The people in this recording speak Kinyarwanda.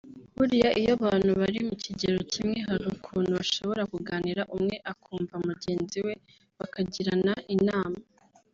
buriya iyo abantu bari mu kigero kimwe hari ukuntu bashobora kuganira umwe akumva mugenzi we bakagirana inama